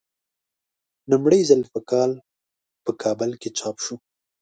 لومړی ځل په کال په کابل کې چاپ شوی.